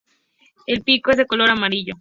El pico es de color amarillo.